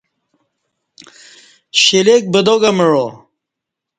شلیک بدا گہ معا